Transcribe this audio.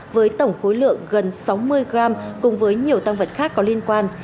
với tổng khối lượng gần sáu mươi g cùng với nhiều tăng vật khác có liên quan